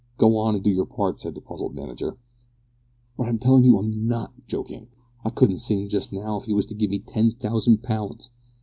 Go on and do your part," said the puzzled manager. "But I tell you I'm not joking. I couldn't sing just now if you was to give me ten thousand pounds!"